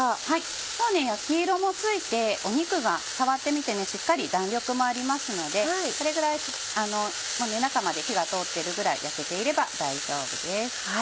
もう焼き色もついて肉が触ってみてしっかり弾力もありますのでこれぐらい中まで火が通ってるぐらい焼けていれば大丈夫です。